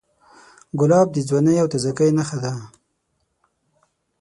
ګلاب د ځوانۍ او تازهګۍ نښه ده.